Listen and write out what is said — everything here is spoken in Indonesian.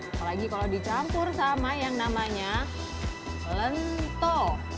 apalagi kalau dicampur dengan lento